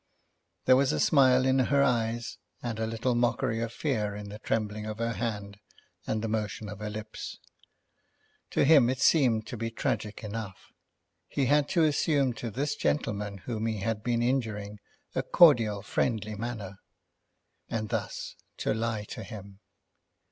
There was a smile in her eyes, and a little mockery of fear in the trembling of her hand and the motion of her lips. To him it seemed to be tragic enough. He had to assume to this gentleman whom he had been injuring a cordial friendly manner, and thus to lie to him.